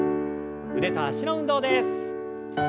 腕と脚の運動です。